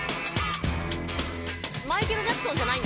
「マイケル・ジャクソンじゃない？」